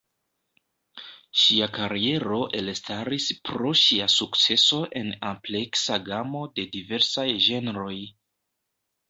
Ŝia kariero elstaris pro ŝia sukceso en ampleksa gamo de diversaj ĝenroj.